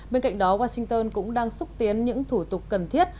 bên cạnh đó washington cũng đang xúc tiến những thủ tục cần thiết